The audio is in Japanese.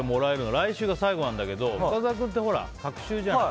来週が最後なんだけど深澤君って、隔週じゃない。